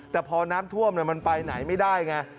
แต่พอน้ำท่วมมันไปไหนไม่ได้ไง